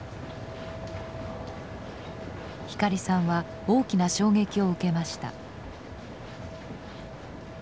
光さんは大きな衝撃を受けました。